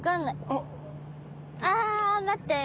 あ待って。